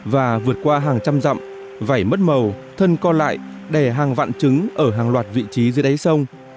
và vượt qua hàng trăm dặm vải mất màu thân co lại đè hàng vạn trứng ở hàng loạt vị trí dưới đáy sông